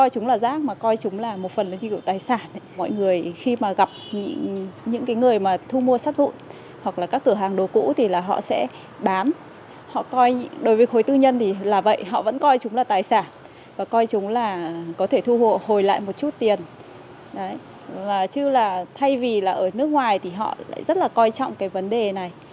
chứ là thay vì ở nước ngoài thì họ lại rất là coi trọng cái vấn đề này